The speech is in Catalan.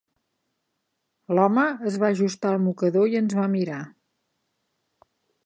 L'home es va ajustar el mocador i ens va mirar.